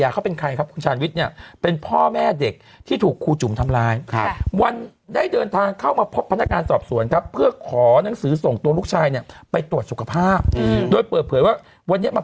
ก็ต้องถามนางก็จะตอบอย่างนี้แต่อันนี้ก็ถามแบบเป็นผู้ดีเนอะ